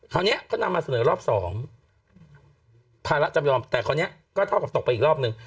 คราวนี้เขานำมาเสนอรอบสองพาและจำยอมแต่คราวนี้ก็ก็ตกไปอีกรอบหนึ่ง